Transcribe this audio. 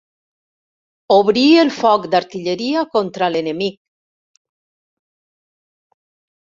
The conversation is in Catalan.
Obrir el foc d'artilleria contra l'enemic.